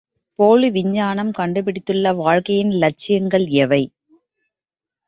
போலி விஞ்ஞானம் கண்டுபிடித்துள்ள வாழ்க்கையின் இலட்சியங்கள் எவை?